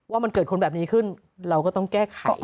ว่ามันเกิดคนแบบนี้ขึ้นเราก็ต้องแก้ไข